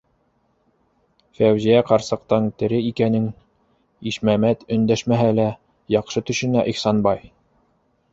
Фәүзиә ҡарсыҡтың тере икәнен, Ишмәмәт өндәшмәһә лә, яҡшы төшөнә Ихсанбай!